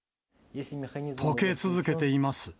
とけ続けています。